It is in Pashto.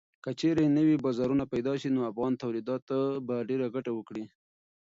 که چېرې نوي بازارونه پېدا شي نو افغان تولیدات به ډېره ګټه وکړي.